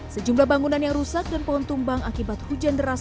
sejumlah bangunan yang rusak dan pohon tumbang akibat hujan deras